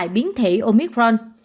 biến thể omicron